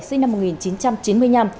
sinh năm một nghìn chín trăm chín mươi năm